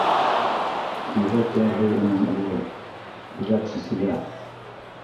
Һирәк ярһый уның улы, һирәк сиселә.